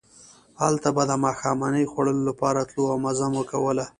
هلته به د ماښامنۍ خوړلو لپاره تلو او مزه مو کوله.